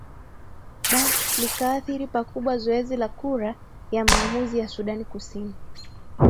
da likaathiri pakubwa zoezi la kura ya maamuzi ya sudan kusini